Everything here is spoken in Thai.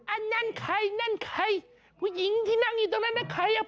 อันนั้นใครนั่นใครผู้หญิงที่นั่งอยู่ตรงนั้นน่ะใครอ่ะ